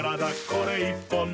これ１本で」